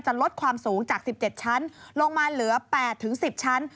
ลดความสูงจาก๑๗ชั้นลงมาเหลือ๘๑๐ชั้น